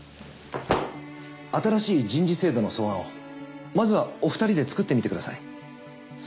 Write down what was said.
新しい人事制度の素案をまずはお二人で作ってみてください。